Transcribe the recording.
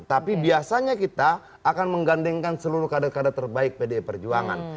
tapi biasanya kita akan menggandengkan seluruh kader kader terbaik pdi perjuangan